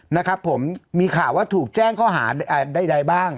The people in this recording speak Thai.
นะครับผมมีข่าวว่าถูกแจ้งข้อหาใดบ้าง